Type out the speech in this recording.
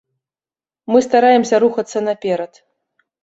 Мы стараемся рухацца наперад.